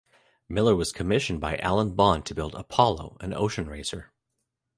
Miller was commissioned by Alan Bond to build "Apollo", an ocean racer.